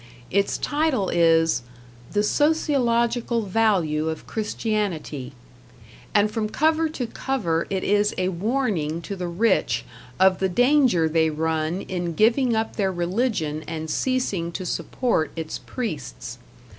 Its title is "The Sociological Value of Christianity", and from cover to cover it is a warning to the rich of the danger they run in giving up their religion and ceasing to support its priests.